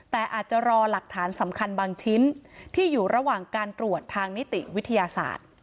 แต่อาจจะรอหลักฐานสำคัญบางชิ้นที่อยู่ระหว่างการตรวจทางนิติวิทยาศาสตร์